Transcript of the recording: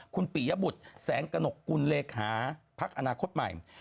คุณปิยบุตรแสงกระหนกกุลเลขาพักอนาคตใหม่